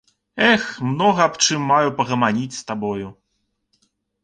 Эх, многа аб чым маю пагаманіць з табою.